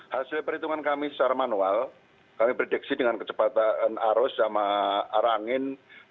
hasil perhitungan kami secara manual kami prediksi dengan kecepatan arus sama arah angin